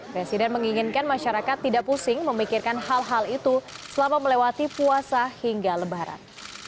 presiden menginginkan masyarakat tidak pusing memikirkan hal hal itu selama melewati puasa hingga lebaran